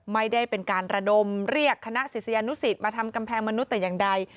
ไม่ได้เป็นการระดมเรียกคณะศิษยานุสิตมาทำกำแพงมนุษย์แต่อย่างใด